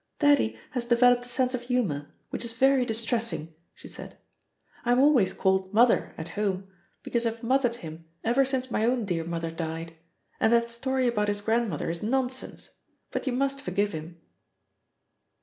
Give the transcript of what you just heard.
"Daddy has developed a sense of humour, which is very distressing," she said. "I'm always called 'Mother' at home, because I've mothered him ever since my own dear mother died. And that story about his grandmother is nonsense, but you must forgive him."